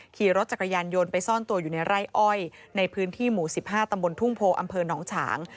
ขี่รถจักรยานยนต์ไปซ่อนตัวอยู่ในไร่อ้อยในพื้นที่หมู่๑๕ตำบลทุ่งโพอำเภอหนองฉาง